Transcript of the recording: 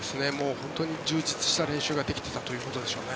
本当に充実した練習ができていたということでしょうね。